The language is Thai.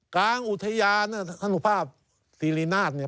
กางอุทยาธนภาพศิรินาธิ์นี่